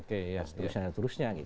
oke ya seterusnya